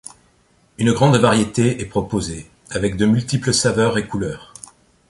Une grande variété est proposée, avec de multiples saveurs et couleurs.